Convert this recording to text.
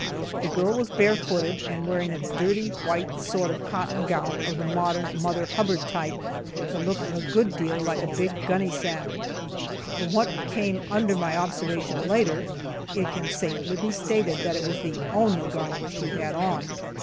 The girl was bare footed and wearing a dirty white sort of cotton gown of the modern Mother Hubbard type, that looked a good deal like a big gunny sack. From what came under my observation later, it can safely be stated that it was the only garment she had on.